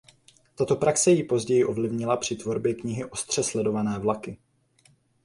Tato praxe jej později ovlivnila při tvorbě knihy Ostře sledované vlaky.